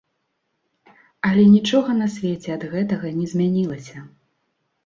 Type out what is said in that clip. Але нічога на свеце ад гэтага не змянілася.